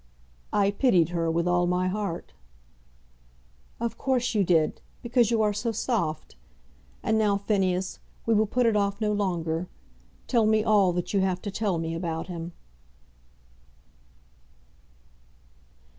"I pitied her with all my heart." "Of course you did, because you are so soft. And now, Phineas, we will put it off no longer. Tell me all that you have to tell me about him."